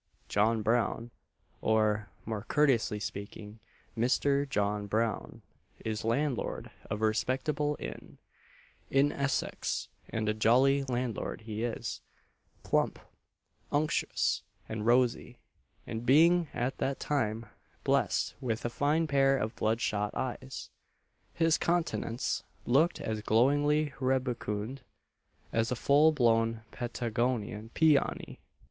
John Brown or, more courteously speaking, Mr. John Brown is landlord of a respectable inn, in Essex, and a jolly landlord he is plump, unctuous, and rosy; and being at that time blessed with a fine pair of bloodshot eyes, his countenance looked as glowingly rubicund as a full blown Patagonian peony.